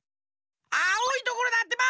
あおいところだってば！